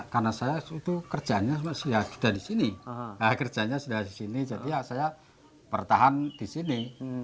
karena saya itu kerjanya sudah di sini kerjanya sudah di sini jadi ya saya bertahan di sini